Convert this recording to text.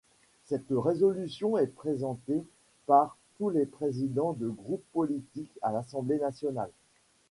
Cette résolution est présentée par tous les présidents de groupes politiques à l'Assemblée nationale.